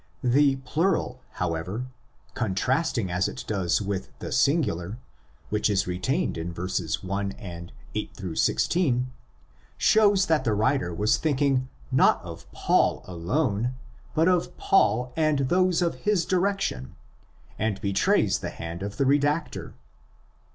The plural (ἐλάβομεν), however, contrasting as it does with the singular which is retained in verses 1 and 8 16, shows that the writer was thinking not of Paul alone, but of Paul and those of his direction, and betrays the hand of the redactor.